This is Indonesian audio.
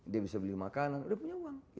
dia bisa beli makanan udah punya uang